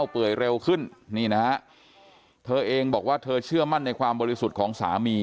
เปื่อยเร็วขึ้นนี่นะฮะเธอเองบอกว่าเธอเชื่อมั่นในความบริสุทธิ์ของสามี